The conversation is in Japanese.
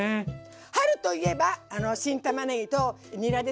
春と言えば新たまねぎとニラですよね。